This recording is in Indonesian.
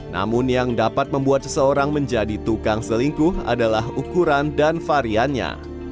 namun yang dapat membuat seseorang menjadi tukang selingkuh adalah ukuran dan variannya